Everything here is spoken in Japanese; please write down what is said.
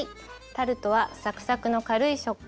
タルトはサクサクの軽い食感